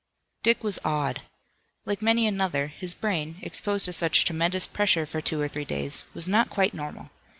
Dick was awed. Like many another his brain exposed to such tremendous pressure for two or three days, was not quite normal.